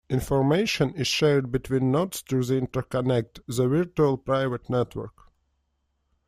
Information is shared between nodes through the interconnect-the virtual private network.